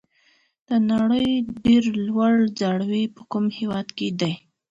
د نړۍ ډېر لوړ ځړوی په کوم هېواد کې دی؟